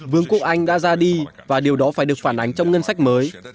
vương quốc anh đã ra đi và điều đó phải được phản ánh trong ngân sách mới